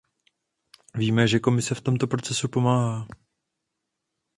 Víme, že Komise v tomto procesu pomáhá.